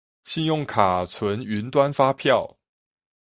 信用卡存雲端發票